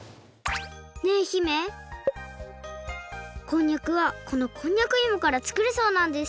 ねえ姫こんにゃくはこのこんにゃくいもからつくるそうなんです。